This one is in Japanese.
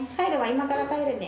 今から帰るね。